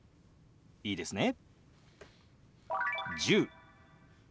いいですね？